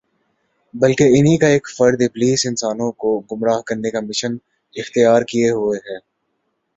بلکہ انھی کا ایک فرد ابلیس انسانوں کو گمراہ کرنے کا مشن اختیار کیے ہوئے ہے